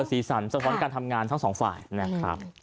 สีสันสะท้อนการทำงานทั้งสองฝ่ายนะครับ